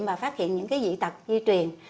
và phát hiện những cái dị tật di truyền